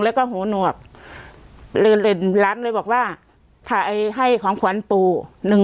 แล้วก็หัวหนวบเลยเลยร้านเลยบอกว่าให้ของขวัญปู่หนึ่ง